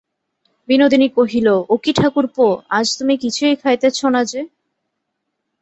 বিনোদিনী কহিল, ও কী ঠাকুরপো, আজ তুমি কিছুই খাইতেছ না যে!